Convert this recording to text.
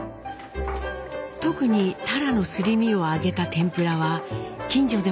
特にタラのすり身を揚げた天ぷらは近所でも評判でした。